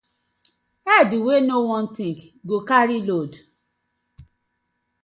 Head wey no wan think, go carry load: